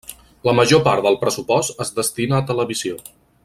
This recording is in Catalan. La major part del pressupost es destina a televisió.